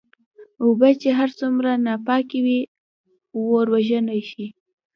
اوبه چې هرڅومره ناپاکي وي اور وژلی شې.